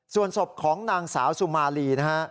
ส่วนศพของนางสาวสุมาลีนะฮะ